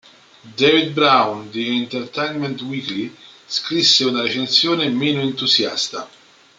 David Browne di "Entertainment Weekly" scrisse una recensione meno entusiasta.